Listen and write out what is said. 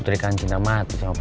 gak ada pengunjung kenapa